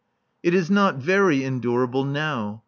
It is not very endurable now.